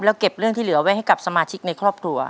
แล้วเก็บเรื่องที่เหลือไว้ให้กับสมาชิกในครอบครัว